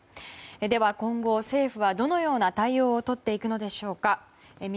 では、今後政府はどのような対応を取っていくのでしょうか。